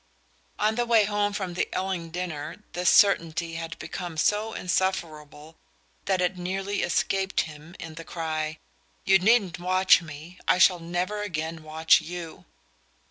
On their way home from the Elling dinner this certainty had become so insufferable that it nearly escaped him in the cry: "You needn't watch me I shall never again watch you!"